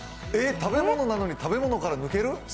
食べ物なのに食べ物から抜ける？